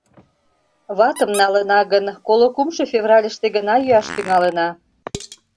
Ватым налына гын, коло кумшо февральыште гына йӱаш тӱҥалына.